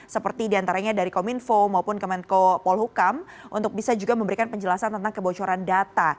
seperti diantaranya dari kominfo maupun kemenko polhukam untuk bisa juga memberikan penjelasan tentang kebocoran data